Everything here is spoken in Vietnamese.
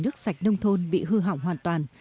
nước sạch nông thôn bị hư hỏng hoàn toàn